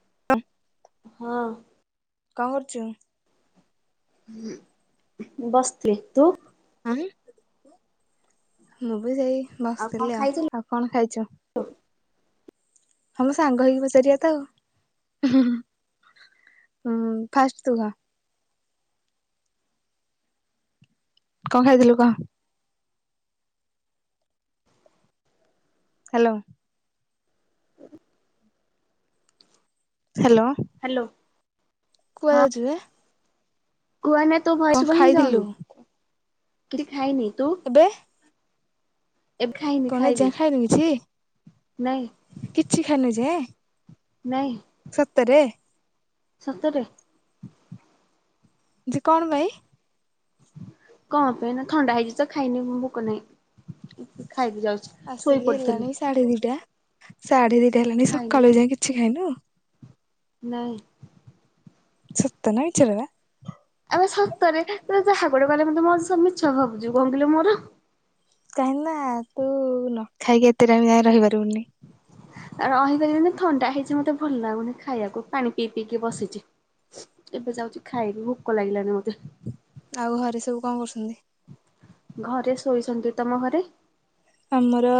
[unintelligible] ହଁ। କଁ କରୁଚୁ? ବସଚି ତୁ? ଆଁ ମୁଁ ବି ସେଇ କଣ ବସିଥିଲି ଆଉ, ଖାଇଥିଲୁ? ଆଉ କଣ ଖାଇଛୁ? ସବୁ ସାଙ୍ଗ ହେଇକି ପଚାରିଆ ତ ଆଉ, ହୁଁ ହୁଁ। ହୁଁ ଫାଷ୍ଟ ତୁ କହ। କଁ ଖାଇଥିଲୁ କହ? ହାଲୋ। ହ୍ୟାଲୋ। ହ୍ୟାଲୋ। କୁଆଡେ ଯାଉଛୁ କି? କୁହ ଏଇନା ତୋ ଭଏସ ଶୁଭା ହିଁ ଯାଉନି କିଛି ଖାଇନି। ତୁ ଏବେ? ଏବେ ଖାଇନି କଣ ଖାଇବି, ଏଯାଏଁ ଖାଇନୁ କିଛି? ନାଇଁ କିଛି ଖାଇନୁ ଏଯାଏ? ନାଇଁ। ସତେରେ? ସତରେ। ଯେ କଣ ପାଇଁ? କଣ ପାଇଁ ନା ଥଣ୍ଡା ହେଇଛି ତ ଖାଇନି ଭୋକ ନାହିଁ। ଖାଇବି ଯାଉଛି ଆସିକି ଶୋଇ ହେଲାଣି ପଡ଼ିଥିଲି। ସାଢେ ଦିଟା। ସାଢେ ଦିଟା ହେଲାଣି ସକାଳୁ ଏଯାଇ କିଛି ଖାଇନୁ? ନାଇଁ। ସତ ନା ମିଛରେ ବା। ଆବେ ସତରେ ତତେ ଯାହା ଗୋଟେ କହିଲେ ତୁ ମତେ ମୋ ମିଛ ଭାବୁଛୁ କଣ କହିଲୁ ମୋର? କାହିଁକି ନା ତୁ ନ ଖାଇକି ଏତେ ଟାଇମ୍ ଯାଇ ରହିପାରିବୁନି। ଆଉ ରହିପାରିବିନି ଥଣ୍ଡା ହେଇଛି ମତେ ଭଲ ଲାଗୁନି ଖାଇଆକୁ ପାଣି ପିଇ ପିଇକି ବସିଚି। ଏବେ ଯାଉଛି ଖାଇବି ଭୋକ ଲାଗିଲାଣି ମତେ। ଆଉ ଘରେ ସବୁ କଣ କରୁଛନ୍ତି? ଘରେ ଶୋଇଛନ୍ତି, ତମ ଘରେ? ଆମର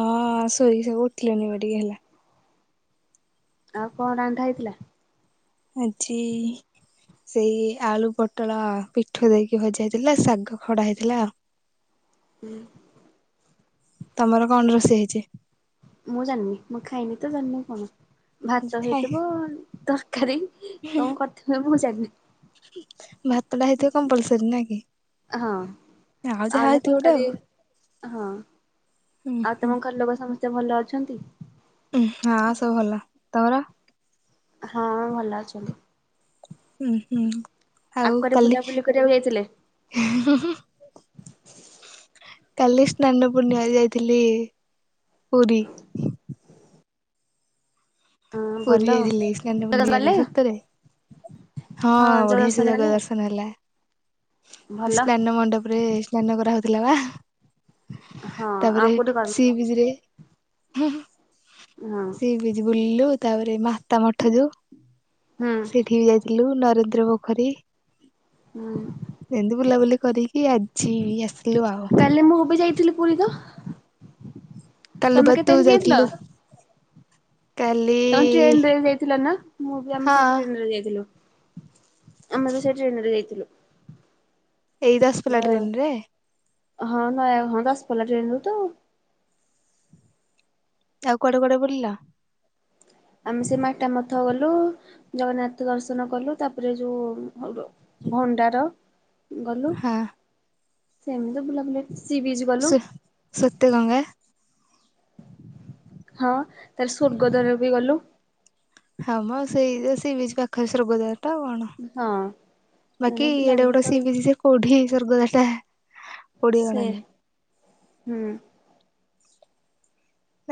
ହଁ ଶୋଇକି ସବୁ ଉଠିଲେଣି ଏବେ ଟିକେ ହେଲା। ଆଉ କଁ ରାନ୍ଧା ହେଇଥିଲା? ଆଜି ସେଇ ଆଳୁ ପୋଟଳ ପିଠୋଉ ଦେଇକି ଭଜା ହେଇଥିଲା, ଶାଗ ଖରଡା ହେଇଥିଲା। ହୁଁ। ତମର କଣ ରୋଷେଇ ହେଇଛି? ମୁଁ ଜାଣନି ମୁଁ ଖାଇନି ତ ଜାଣିବି କଣ ଭାତ ଖାଇ ହେଇଥିବ ତର କାରୀ କଁ କରିଥିବେ ମୁଁ ଜାଣିନି। ଭାତଟା ହେଇଥିବ କମ୍ପଲସରୀ ନା କି? ହଁ ଆଉ ଯାହା ହେଇଥିବ ଗୋଟେ ତରକାରୀ ଆଉ। ହଁ। ହୁଁ ଆଉ ହୁଁ ତମ ଘର ଲୋକ ସମସ୍ତେ ଭଲ ଅଛନ୍ତି? ହଁ ସବୁ ଭଲ ତମର? ହଁ ଭଲ ଅଛନ୍ତି। ହୁଁ ହୁଁ। ଆଉ କୁଆଡେ କାଲି ବୁଲାବୁଲି କରିବାକୁ ଯାଇଥିଲେ? କାଲି ସ୍ନାନ ପୂର୍ଣ୍ଣିମାରେ ଯାଇଥିଲି ପୁରୀ। ହଁ ଭଲ। ପୁରୀ ଯାଇଥିଲି ସ୍ନାନପୂର୍ଣ୍ଣିମାରେ ଗଲେ ସତରେ। ହଁ ଯୋଉ ବଢ଼ିଆ ସେ ଦର୍ଶନ ଜଗା ଗଲେ ଦର୍ଶନ ହେଲା। ଭଲ ସ୍ନାନ ମଣ୍ଡପରେ ସ୍ନାନ କରାହଉଥିଲା ବା। ହଁ ଆଉ ତାପରେ କୋଉଠି ସି କରନ୍ତି? ବିଜରେ ହଁ ସି ବିଜ ବୁଲିଲୁ ତାପରେ ମାତା ମଠ ଯୋଉଁ ହୁଁ ସେଇଠି ବି ଯାଇଥିଲୁ ନରେନ୍ଦ୍ର ପୋଖରୀ। ହୁଁ ଏମିତି ବୁଲାବୁଲି କରିକି ଆଜି ଆସିଲୁ ଆଉ। କାଲି ମୁଁ ବି ଯାଇଥିଲି ପୁରୀ ତ। କାଲି ବା ତମେ ତୁ କେତେହେସି କି ଯାଇଥିଲ? ଯାଇଥିଲୁ କାଲି ତମେ ଟ୍ରେନ ରେ ଯାଇଥିଲ ନା ମୁଁ ବି ଆମେ ହଁ ସେ ଟ୍ରେନରେ ଯାଇଥିଲୁ। ଆମେ ତ ସେ ଟ୍ରେନରେ ଯାଇଥିଲୁ। ଏଇ ଦସପଲା ଟ୍ରେନ ରେ ହଁ ନାଇଁ ହଁ ଦସପଲା ଟ୍ରେନ ରେ ତ ଆଉ କୁଆଡେ କୁଆଡେ ବୁଲିଲ? ଆମେ ସେ ମାତା ମଠ ତ ଗଲୁ ଜଗନ୍ନାଥ ଦର୍ଶନ କଲୁ ତାପରେ ଯୋଉଁ ଭଣ୍ଡାର ଗଲୁ ହଁ ସେମିତି ବୁଲାବୁଲି ସି ବିଚ୍ ଗଲୁ ସୁ ସ୍ୱେତେ ଗଙ୍ଗା ହଁ ତାପରେ ସ୍ୱର୍ଗଦ୍ୱାର ବି ଗଲୁ। ହଁ ମ ସେଇ ସି ବିଚ ପାଖରେ ସ୍ୱର୍ଗ ଦ୍ୱାର ହଁ କଣ ବାକି ଏଡ଼େ ବୁଲାବୁଲି ବଡ଼ କରି ସିବିଚ ଯେ କୋଉଁଠି ସ୍ୱର୍ଗଦ୍ୱାର ସେ ଟା। [unintelligible] ହୁଁ।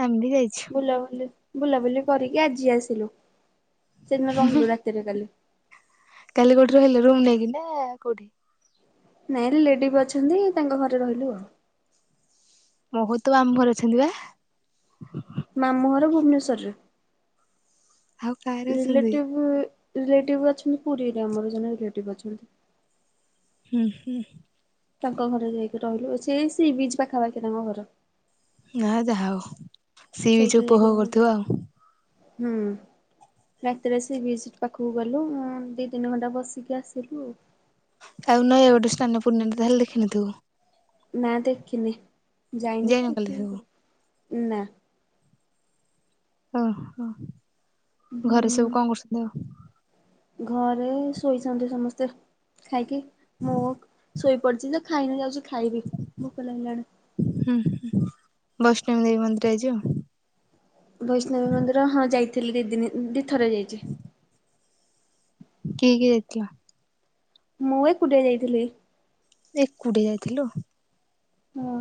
ଆମେଭି ଯାଇଛୁ। ବୁଲାବୁଲି ବୁଲାବୁଲି କରିକି ଆଜି ଆସିଲୁ ସେଦିନ ରହିଲୁ ରାତିରେ କାଲି କାଲି କୋଉଁଠି ରହିଲ ରୁମ୍ ନେଇକିନା କୋଉଁଠି? ନାଇଁ ରିଲେଟିଭ ଅଛନ୍ତି ତାଙ୍କ ଘରେ ରହିଲୁ ଆଉ। [unintelligible] ଘର ଅଛନ୍ତି ବା ମାମୁଁଘର ଭୁବନେଶ୍ଵରରେ ଆଉ କାହାର ଅଛନ୍ତି? ରିଲେଟିଭ୍ ରିଲେଟିଭ ଅଛନ୍ତି ପୁରୀରେ ଆମର ଜଣେ ରିଲେଟିଭ ଅଛନ୍ତି। ହୁଁ ହୁଁ ତାଙ୍କ ଘରେ ଯାଇକି ରହିଲୁ ସେ ସି ବିଚ୍ ପାଖାପାଖି ତାଙ୍କ ଘର ଯାହା ହଉ ସି ବିଚ ସେଇଠି ଯାଇକି ଉପଭୋଗ ରହିଲୁ। କରିଥିବ ଆଉ ହୁଁ। ରାତିରେ ସିବିଚ ପାଖକୁ ଗଲୁ ଦି ତିନି ଘଣ୍ଟା ବସିକି ଆସିଲୁ ଆଉ ନହ ଏଇଠୁ ସ୍ନାନ ପୂର୍ଣିମା [unintelligible] ତାହେଲେ ଦେଖିନିଥିବୁ ନା ଦେଖିନି ଯାଇନି ତ ଯାଇନୁ କାଲି ଦେଖିବି ସବୁ। କଣ ନା ଓ ହଁ ହୁଁ ଘରେ ସବୁ କଣ କରୁଛନ୍ତି ଆଉ? ଘରେ ଶୋଇଛନ୍ତି ସମସ୍ତେ ଖାଇକି ମୁଁ ଶୋଇ ପଡିଛି ଯେ ଖାଇନି ଯାଉଛି ଖାଇବି ଭୋକ ଲାଗିଲାଣି। ହୁଁ ହୁଁ ବୈଷ୍ଣବୀ ଦେବୀ ମନ୍ଦିର ଯିବ? ବୈଷ୍ଣବୀ ମନ୍ଦିର ହଁ ଯାଇଥିଲି ଦି ଦିନ ଦି ଥରେ ଯାଇଛି। କିଏ କିଏ ଯାଇଥିଲ? ମୁଁ ଏକୁଟିଆ ଯାଇଥିଲି। ଏକୁଟିଆ ଯାଇଥିଲୁ। ହଁ।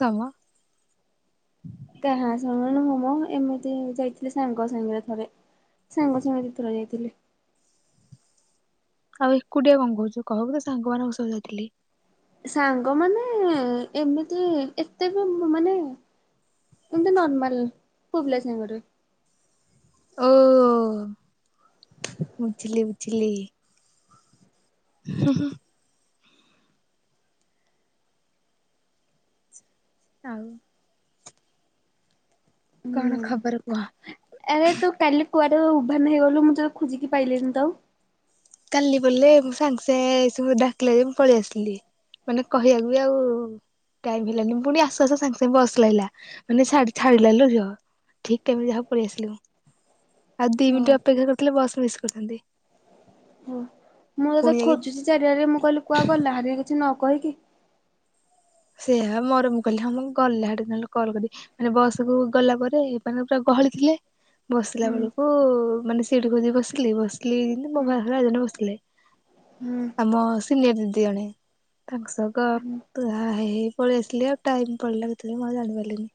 ତବ। କାହା ଶଣନୁ ହମ ଏମିତି ଯାଇଥିଲି ସାଙ୍ଗ ସାଙ୍ଗରେ ଥରେ। ସାଙ୍ଗ ସାଙ୍ଗରେ ଦିଥର ଯାଇଥିଲି। ଆଉ ଏକୁଟିଆ କଣ କହୁଛୁ? କହିବୁ ତ ସାଙ୍ଗ ମାନଙ୍କୁ ସହ ଯାଇଥିଲି। ସାଙ୍ଗମାନେ ଏମିତି ଏତେ ବି ମାନେ ଏମିତି ନର୍ମାଲ ପୁଅପିଲା ସାଙ୍ଗଟେ। ଓ ମୁଝିଲିି ବୁଝିଲି। ହୁଁ ହୁଁ। ଥାଉ। କଣ ଖବର କୁହ? ହୁଁ ଏ ତୁ କାଲି କୁଆଡେ ଉଭାନ ହେଇଗଲୁ। ମୁଁ ତତେ ଖୋଜିକି ପାଇଲିନି ତ। କାଲି ବଲେ ମୁଁ ସାଙ୍ଗେ ସାଙ୍ଗେ ସବୁ ଡାକିଲା ଯେ ମୁଁ ପଳେଇ ଆସିଲି। ମାନେ କହିବାକୁ ବି ଆଉ ଟାଇମ୍ ହେଲାନି। ପୁଣି ଆସୁ ଆସୁ ସାଙ୍ଗେ ସାଙ୍ଗେ ବସ୍ ଲାଗିଲା। ମାନେ ଛା ଛାଡିଲାନିଲ ଝିଅ। ଠିକ୍ ତାଇମ୍ ଯାହା ପଳି ଆସିଲି ମୁଁ। ଆଉ ଦି ମିନିଟ୍ ହଁ। ଅପେକ୍ଷା କରିଥିଲେ ବସ୍ ମିସ୍ କରିଥାନ୍ତି। ହଁ। ମୁଁ ତୋତେ ପୁଣି ଯାଇକି ଖୋଜୁଛି ଚାରିଆଡେ। ମୁଁ କହିଲି କୁଆ ଗଲାହାରି କିଛି ନ କହିକି। ସେଇଆ ମରମ କଲେ। ହଁ ମୁଁ ଗଲା ଦିନ କଲ କଲି ମାନେ ବସ କୁ ଗଲା ପରେ ମାନେ ପୁରା ପହଳି ଥିଲେ। ବସିଲା ହୁଁ ବେଳକୁ ମାନେ ସେଇଠି ଖଦି ବସିଲି। ବସିଲି ଜୀମିତି ମୋ ହୁଁ ପାଖରେ ଜଣେ ବସିଲେ। ହୁଁ ଆମ ସିନିୟର ଦିଦି ଜଣେ। ତାଙ୍କ ସହ ହୁଁ ଆ ହେ ପଳେଇ ଆସିଲି ଆଉ। ଟାଇମ୍ ପଳେଇଲା କେତେବେଳେ ମୁଁ ଜାଣି ପାରିଲିନି।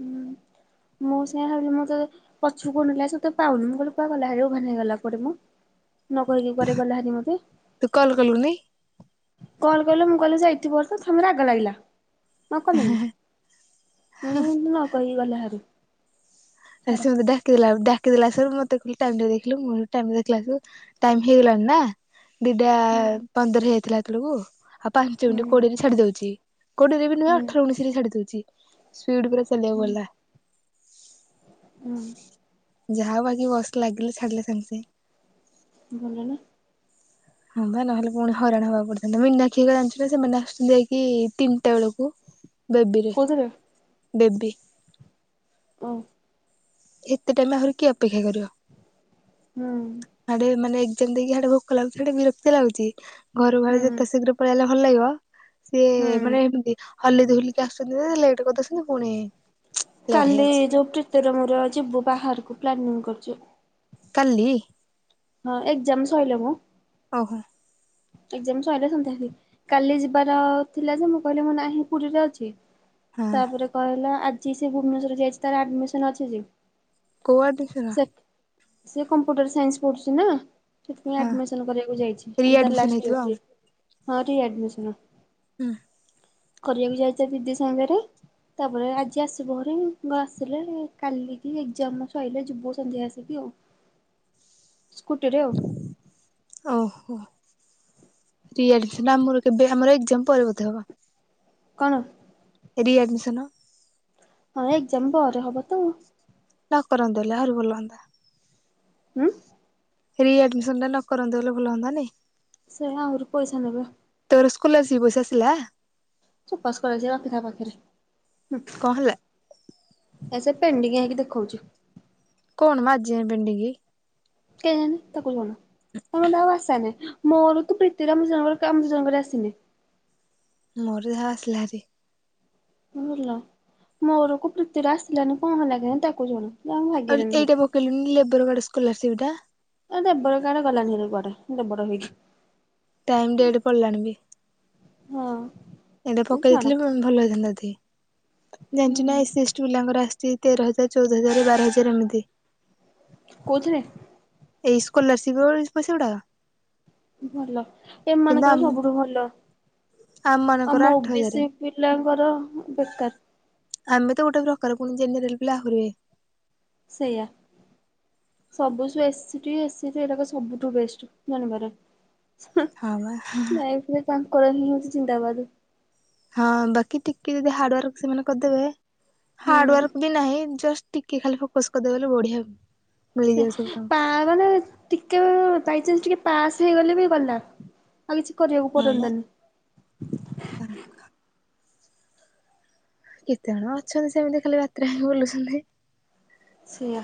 ହୁଁ। ମୁଁ ସେୟା ଭାବିଲି। ମୁଁ ତ ପଛକୁ ଅନେଇଲା ପାଉନି। ମୁଁ କହିଲି କୁଆ ଗଲା ଏଇନେ ଉଭାନ ହେଇଗଲା କୁଆଡେ ମ। ନ କହିକି କୁଆରେ ଗଲା ହାରି ମତେ। ତୁ କଲ୍ କଲୁନି? କଲ କଲେ ମୁଁ କହିଲି ଯାଇଥିବ ତ ସମୟରେ ରାଗ ଲାଗିଲା। ନ କଲେଣିି। ମୁଁ ନ କହିକି ଗଲା ହାରି। ଆ ଛାଡ ସେ ମତେ ଡାକିଦେଲା। ଡା କେତେବେଳେ ଆସିବୁ? ମତେ କହିଲା ଟାଇମ୍ ଟା ଦେଖିଲୁ। ମୁଁ ଟାଇମ୍ ଦେଖିଲା ବେସୁ ଟାଇମ୍ ହେଇଗଲାଣି ନା। ଦିଟା ହୁଁ ପନ୍ଦର ହେଇଥିଲା ହେତେ ବେଳକୁ। ଆଉ ପାଞ୍ଚ ହୁଁ ମିଣ୍ଟି କୋଡିଏ ହେଲେ ଛାଡି ଦଉଛି। କୋଡି ରେ ନୁହେଁ ହୁଁ ଅଠର ଉଣେଇଶିରେ ଛାଡି ଦଉଛି। ସ୍ପିଡ୍ ପୁରା ଚାଲିବାକୁ ଗଲା। ହୁଁ। ଯାହା ହୋଉ ବାକି ବସ୍ ଲାଗିଲେ। ଛାଡିଲେ ସାଙ୍ଗ୍ ସାଙ୍ଗେ। ଭଲ ନା। ହଁ ବା ନହେଲେ ପୁଣି ହଇରାଣ ହବାକୁ ପଡିଥାନ୍ତା। ମିନାକ୍ଷି ହେଇକା ଜାଣିଚୁ ନ ସେମାନେ ଆସୁଛନ୍ତି ଯାଇକି ତିନିଟା ବେଳକୁ। ବେବିରେ କୋଉଥିରେ ବେବି। ଉଁ। ଏତେ ଟାଇମ୍ ଆହୁରି କିଏ ଅପେକ୍ଷା କରିବ? ହୁଁ ଆଡେ ମାନେ ଯେମିତିକି ହେଠେ ଭୁକ ଲାଗୁଛି। ସେଟେ ବିରକ୍ତି ଲାଗୁଛି। ଘରୁ ବାରେ ହୁଁ ଯେତେ ଶୀଘ୍ର ପଳେଇ ଆଇଲେ ଭଲ ଲାଗିବ। ସିଏ ହୁଁ ମାନେ ଏମତି ହଲି ଦୋହଲିକି ଆସୁଛନ୍ତି। ଲେଟ୍ କରିଦଉଛନ୍ତି। ଫୁଣି କାଲି ଯଉ ପ୍ରୀତିର ମୋର ଯିବୁ ବାହାରକୁ ପ୍ଲାନିଂ କରୁଛୁ। କାଲି। ହଁ ଏଗ୍ଜାମ୍ ସଇଲେ ମ। ଓହୋ। ଏଗ୍ଜାମ ସଇଲେ ସନ୍ଧ୍ୟା ହେଲି କାଲି ଯିବାର ଥିଲା ଯେ ମୁଁ କହିଲି ମୁଁ ନାହିଁ ପୁରୀରେ ଅଛି। ହଁ ତାପରେ କହିଲା ଆଜି ସେ ଭୁବନେଶ୍ୱର ଯାଇଛି। ତାର ଆଡମିସନ୍ ଅଛି ଯେ। କୋଉ ଆଡମିଶନ୍? ସିଏ କମ୍ପ୍ୟୁଟର ସାଇନ୍ସ୍ ପଢୁଛି ନା। ସେଥିପାଇଁ ଆଡମିସନ୍ କରିବାକୁ ଯାଇଛି। ଆଜି ତାର ଲାଷ୍ଟ୍ ଥିବ ଆଉ। ହଁ ରି ଆଡମିସନ୍। ହୁଁ। କରିବାକୁ ଯାଇଚି ତା ଦିଦି ସାଙ୍ଗରେ। ତାପରେ ଆଜି ଆସିବ ଘରେ ମୁ ଆସିଲେ କାଲିକି ଏକ୍ସାମ ସରିଲେ ଯିବୁ ସନ୍ଧ୍ୟା ଆସିକି ଆଉ। ସ୍କୁଟିରେ ଆଉ ଓହୋ। [unintelligible] ଆମର କେବେ ଆମର ଏକ୍ସାମ ପରେ ବୋଧେ ହବ। କଣ ରିଆଡ଼୍ମିସନ। ହଁ ଏକଜାମ ପରେ ହବ ତ। ନା କରନ୍ତୁ ହେଲେ ଆହୁରି ଭଲ ହୁଅନ୍ତା। ଉଁ ରିଏଡମିସନ ଟା ନ କରନ୍ତେ ବୋଲେ ଭଲ ହନ୍ତାନି। ସେ ଆହୁରି ପଇସା ନେବେ। ତୋର ସ୍କୋଲାରଶିପ ପଇସା ଆସିଲା। ଚୋପା ସ୍କୋଲାରଶିପ ରଖିଥା ପାଖିରେ। କଣ ହେଲା? ଆରେସେ ପେଡିଙ୍ଗ ହେଇକି ଦେଖଉଛି। କଣମ ଆଜିଯାଏଁ ପେଣ୍ଡିଙ୍ଗ। କେଜାଣି ତାକୁ ଜଣା ମୋର ତ ଆଉ ଆଶା ନାହିଁ। ମୋର ତ ପ୍ରୀତିର ଆମ ଦିଜଣଙ୍କର ଆମ ଦିଜଣଙ୍କର ଆସିନି। ମୋର ଯାହା ଆସିଲାହାରି। ଭଲ ମୋର କି ପ୍ରୀତିର ଆସିଲାନି କଣ ହେଲା କେଜାଣି ତାକୁ ଜଣା। ଇଏ ଆମ ଅଉ ଭାଗ୍ୟରେ ନାହିଁ। ଏଇଟା ପକେଇଲୁନି ଲେବୋର୍ ଗାର୍ଡ ସ୍କୋଲାରର୍ଷିପ ଟା। ଏ ଲେବର ଗାର୍ଡ ଗଲାଣିଭାରି କୁଆଡ଼େ ଲେବର ହେଇକି। ଟାଇମ ଡେଟ ପଳେଇଲାଣି ବି। ହଁ। ଏଇଟା ପକେଇ ଛାଡ ଦେଇେଇଥିଲେ ଭଲ ହେଇଥାନ୍ତା ଏତିକି ହୁଁ। ଜାଣିଛୁ ନା ଏସି ଏସଟି ପିଲାଙ୍କର ଆସି ସେ ତେର ହଜାର ଚଉଦ ହଜାର ବାର ହଜାର ଏମିତି। କୋଉଥିରେ? ଏଇ ସ୍କଲାରସିପ ପଇସା ଗୁଡାକ ଭଲ କିନ୍ତୁ ଏମାନଙ୍କର ଆମ ସବୁଠୁ ଭଲ। ଆମ ମାନଙ୍କର ଆମ ଆଠ ଓ ବି ହଜାର ସି ପିଲାଙ୍କର ବେକାର। ଆମେ ତ ଗୋଟେ ପ୍ରକାର ପୁଣି ଜେନେରାଲ ପିଲା ଆହୁରି ଇଏ ସେଇୟା। ସବୁ ଯୋଉ ଏସଟି ଏସି ଏଗୁଡ଼ାକ ସବୁଠୁ ବେଷ୍ଟ ଜାଣିବାରେ। ହୁଁ ହଁ ବା ଲାଇଫରେ ତାଙ୍କର ହିଁ ହଉଛି ଜିନ୍ଦାବାଦ। ହଁ ବାକି ଟିକେ ଯଦି ହାର୍ଡୱାର୍କ ସେମାନେ କରିଦେବେ ହୁଁ। ହାର୍ଡୱାର୍କ ବି ନାହିଁ ଜଷ୍ଟ ଟିକେ ଖାଲି ଫୋକସ କରିଦେବେ ହେଲେ ବଢିଆ ସେ ମିଳିଯିବ ସବୁ ତାଙ୍କୁ ତାମାନେ ଟିକେ ବାଇଚାନ୍ସ ଟିକେ ପାସ୍ ହେଇଗଲେ ବି ଗଲା ଆଉ କିଛି କରିବାକୁ ହଁ ବା ପଡନ୍ତାନି। [unintelligible] କେତେ ଜଣ ଅଛନ୍ତି ସେମିତି ଖାଲି ବାତରା ହେଇ ବୁଲୁଛନ୍ତି। ସେଇଆ।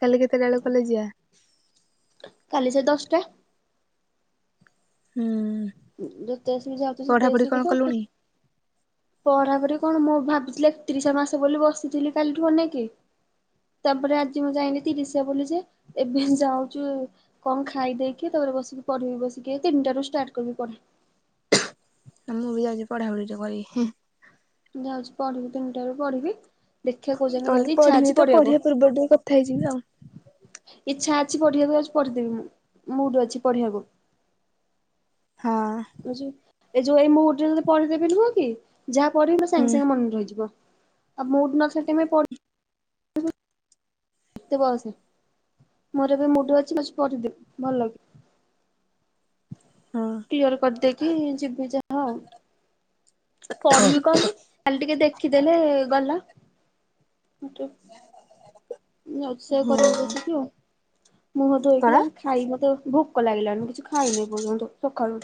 କାଲି କେତେଟାବେଳକୁ କଲେଜ ଯିବା? ଟା ହୁଁ। ଯୋଉ ତେଶ ବି ଯାଉ ସେ ପଢାପଢି ତେଇଶିକ କଣ ତ କଲୁଣି ପଢା ପଢ଼ି କଣ ମୁଁ ଭାବିଥିଲି ଏକତିରିଶିଆ ମାସ ବୋଲି ବସିଥିଲି କାଲିଠୁ ଅନେଇକି। ତାପରେ ଆଜି ମୁଁ ଜାଇଁଲିି ତିରିସିଆ ବୋଲି ଯେ ଏବେ ଯାଉଛୁ କଣ ଖାଇଦେଇେଇକି ତ ଉପରେ ବସିକି ପଢିବି ବସିକି ତିନିଟାରୁ ଷ୍ଟାର୍ଟ କରିବି ପଢା। ଏ ମୁଁ ବି ଯାଉଛି ପଢାପଢି ଟିକେ କରିବି ହିଁ। ଯାଉଛି ପଢିବି ତିନିଟା ବେଳକୁ ପଢିବି ଦେଖିବା କୋଉ ଯାଏଁ କହିଲି ଯାଉଛି ଇଛା ପଢିବି ଅଛି ତ ପଢିବାକୁ। ପଢିବା ପୂର୍ବରୁ ଟିକେ କଥା ହେଇଯିବି ଆଉ। ଇଚ୍ଛା ଅଛି ପଢିବାକୁ ଯାଉଛି ପଢିଦେବି ମୁଁ ମୁଡ ଅଛି ପଢିବାକୁ। ହଁ ଯାଉଚି, ଏ ଯୋଉ ଏଇ ମୁଡରେ ଯଦି ପଢେଇଦେବି ନୁହଁକି ଯାହା ପଢିବି ପୁରା ସାଙ୍ଗେ ସାଙ୍ଗେ ମନେ ରହିଯିବ। ଆଉ ମୁଡ୍ ନଥିବା ଟାଇମ ରେ ପ ତୁ ବସେ ମୋର ଏବେ ମୁଡ ଅଛି ଯାଉଛି ପଢ଼ିଦେବି ଭଲ କି। [inaudible] ହୁଁ କ୍ଲିଅର କରିଦେଇକି ଯିବି ଯାହା ଆଉ। ପଢିବି କଣକି ଖାଲି ଟିକେ ଦେଖିଦେଲେ ଗଲା। ମତେ। ଯାଉଛି ସେଇଆ ହୁଁ କରିବି ବସିକି ଆଉ। ମୁହଁ ଧୋଇକି କଣ? ଯାଉଛି ଖାଇବି ମତେ ଭୋକ ଲାଗିଲାଣି କିଛି ଖାଇନି ଏପର୍ଯ୍ୟନ୍ତ ସଖାଳୁ।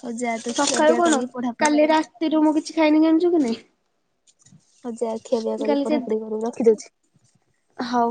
ହଉ ଯା ତୁ ସଖାଳୁ ଖିଆପିଆ କଣ କରିକି ପଢାପଢି କାଲି ରାତିରୁ ମୁଁ କିଛି ଖାଇନି ଜାଣିଛୁ କି ନାଇଁ। ହଉ ଯାଅ ଖିଆ ପିଆ କରିବୁ କାଲି ସେ ପଢାପଢି କରିବୁ ରଖିଦଉଛି। ହଉ।